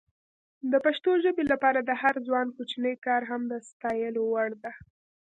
د پښتو ژبې لپاره د هر ځوان کوچنی کار هم د ستایلو وړ ده.